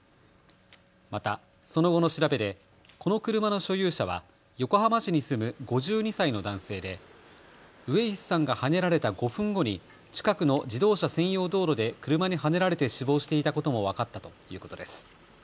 また、その後の調べでこの車の所有者は横浜市に住む５２歳の男性で上石さんがはねられた５分後に近くの自動車専用道路で車にはねられて死亡していたことも分かったということです。